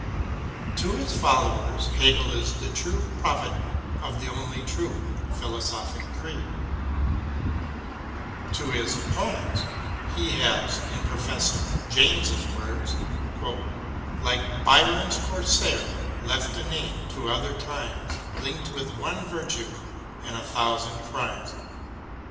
To his followers Hegel is the true prophet of the only true philosophic creed, to his oppo nents, he has, in Professor James's words, "like Byron's corsair, left a name 'to other times, linked with one virtue and a thousand crimes.'